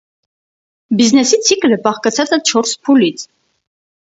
Բիզնեսի ցիկլը բաղկացած է չորս փուլից։